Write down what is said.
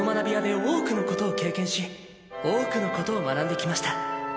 多くのことを経験し多くのことを学んできました。